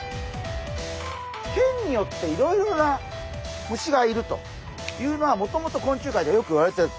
県によっていろいろな虫がいるというのはもともと昆虫界ではよくいわれている。